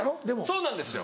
そうなんですよ。